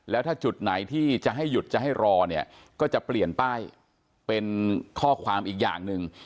แล้วถ้าจุดไหนที่จะให้หยุดจะให้รอเนี่ยก็จะเปลี่ยนป้ายเป็นข้อความอีกอย่างหนึ่ง